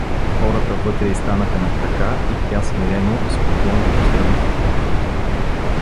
Хората вътре й станаха на крака и тя смирено, с поклон ги поздрави.